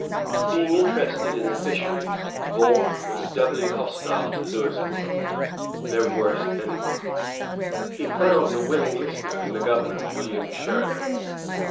Being interested in the fisheries, Vaughan was doubly hostile to Louisbourg, their worst enemy. He found a willing listener in the Governor, William Shirley.